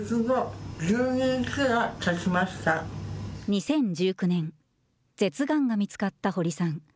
２０１９年、舌がんが見つかった堀さん。